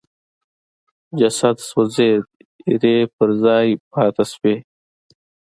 جسد سوځېد ایرې پر ځای پاتې شوې.